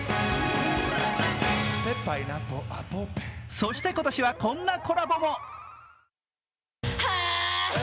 そして今年はこんなコラボも。